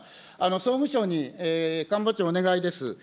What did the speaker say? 総務省に官房長、お願いです。